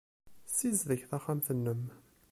Ssizdeg taxxamt-nnem.